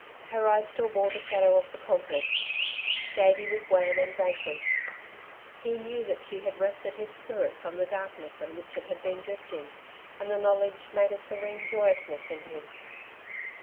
Her eyes still bore the shadow of the conflict. Davey was wan and vanquished. He knew that she had wrested his spirit from the darkness on which it had been drifting, and the knowledge made a serene joyousness in him.